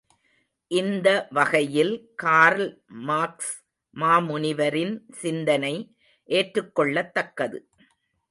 இந்தவகையில் Karl Marx மாமுனிவரின் சிந்தனை ஏற்றுக்கொள்ளத் தக்கது.